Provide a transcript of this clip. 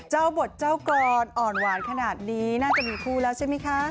บทเจ้ากรอ่อนหวานขนาดนี้น่าจะมีคู่แล้วใช่ไหมคะ